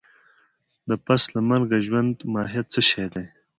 د پس له مرګه ژوند ماهيت څه شی دی؟